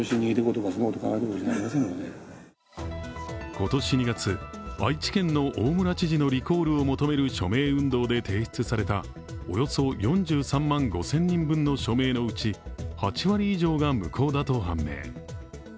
今年２月、愛知県の大村知事のリコールを求める署名運動で提出されたおよそ４３万５０００人分の署名のうち８割以上が無効だと判明。